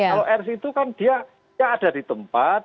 kalau rs itu kan dia ada di tempat